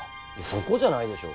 そこじゃないでしょ。